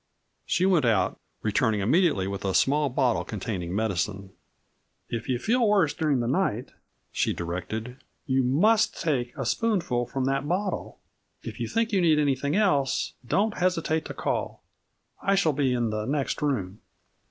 She went out, returning immediately with a small bottle containing medicine. "If you feel worse during the night," she directed, "you must take a spoonful from that bottle. If you think you need anything else, don't hesitate to call. I shall be in the next room."